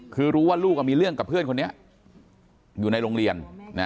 คือรู้ว่าลูกมีเรื่องกับเพื่อนคนนี้อยู่ในโรงเรียน